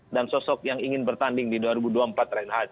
dan sosok yang ingin bertanding di dua ribu dua puluh empat renhards